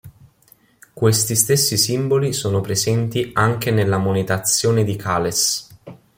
Questi stessi simboli sono presenti anche nella monetazione di Cales.